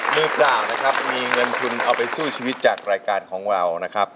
มือเปล่านะครับมีเงินทุนเอาไปสู้ชีวิตจากรายการของเรานะครับ